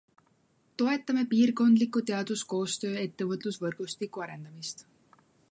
Toetame piirkondliku teaduskoostöö ettevõtlusvõrgustiku arendamist.